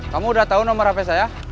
kamu udah tau nomor hp saya